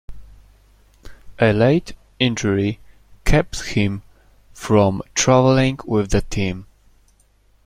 A late injury kept him from travelling with the team.